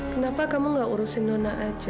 kenapa kamu nggak urusin nona aja